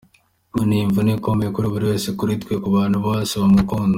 "Ni imvune ikomeye kuri kuri we, kuri twe, ku bantu bose bamukunda".